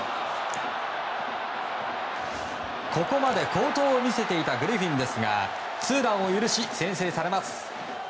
ここまで好投を見せていたグリフィンですがツーランを許し、先制されます。